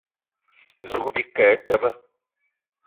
Zouga bike e teba.